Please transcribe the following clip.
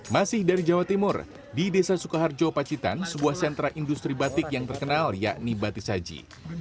masih dari jawa timur di desa sukaharjo pacitan sebuah sentra industri batik yang terkenal yakni batik saji